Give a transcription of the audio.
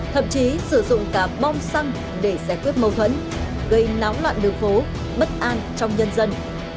thậm chí sử dụng cả bom xăng để giải quyết mâu thuẫn gây náo loạn đường phố bất an trong nhân dân